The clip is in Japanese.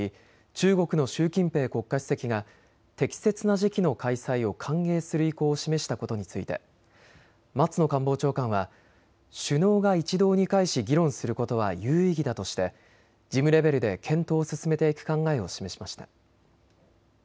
中国の習近平国家主席が適切な時期の開催を歓迎する意向を示したことについて松野官房長官は首脳が一堂に会し議論することは有意義だとして事務レベルで検討を進めていく考えを示しました。